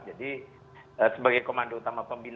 jadi sebagai komando utama pembinaan